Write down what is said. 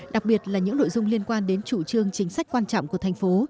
đặc biệt là những nội dung liên quan đến chủ trương chính sách quan trọng của thành phố